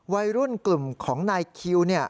วัยรุ่นกลุ่มของนายคิว